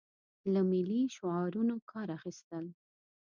له ملي شعارونو کار اخیستل.